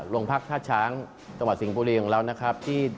โรงพักท่าช้างจังหวัดสิงห์บุรีของเรานะครับ